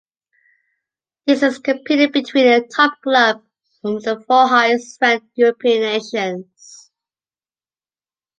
This is competed between the top club from the four highest ranked European nations.